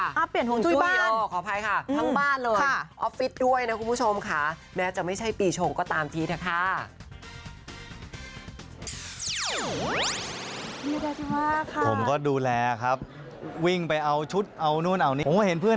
อ้าวเปลี่ยนห่วงจุ้ยบ้านขออภัยค่ะทั้งบ้านเลย